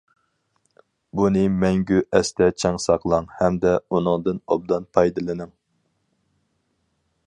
بۇنى مەڭگۈ ئەستە چىڭ ساقلاڭ، ھەمدە ئۇنىڭدىن ئوبدان پايدىلىنىڭ.